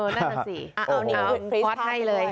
นั่นแหละสิเอ้านี้ก่อนพอดให้เลย